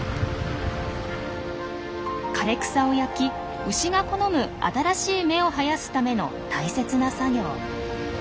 枯れ草を焼き牛が好む新しい芽を生やすための大切な作業。